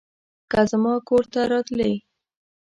که زما کور ته راتلې